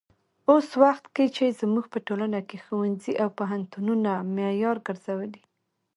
اوس وخت کې چې زموږ په ټولنه کې ښوونځي او پوهنتونونه معیار ګرځولي.